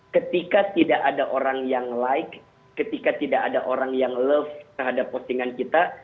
ketika tidak ada orang yang like ketika tidak ada orang yang love terhadap postingan kita